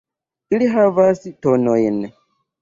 Ili havas tonojn.